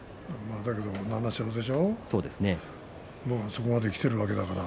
そこまできているわけだから。